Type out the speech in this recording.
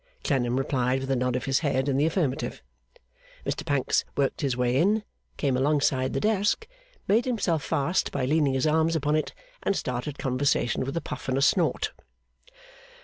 Clennam replied with a nod of his head in the affirmative. Mr Pancks worked his way in, came alongside the desk, made himself fast by leaning his arms upon it, and started conversation with a puff and a snort.